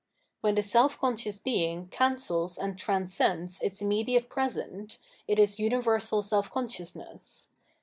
When the self conscious Being cancels and transcends its immediate present, it is universal self consciousness.